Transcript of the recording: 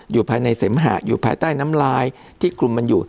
อยู่ภายในเสมหะอยู่ภายใต้น้ำลายที่กลุ่มมันอยู่